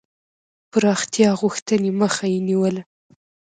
پراختیا غوښتني مخه یې نیوله.